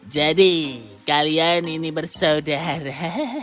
jadi kalian ini bersaudara